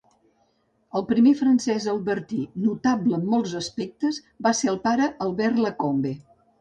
El primer francès-albertí notable, en molts aspectes, va ser el pare Albert Lacombe.